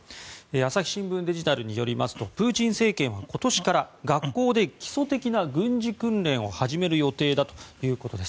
朝日新聞デジタルによりますとプーチン政権は今年から学校で基礎的な軍事訓練を始める予定だということです。